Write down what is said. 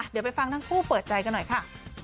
เดี๋ยวไปฟังทั้งคู่เปิดใจกันหน่อยค่ะ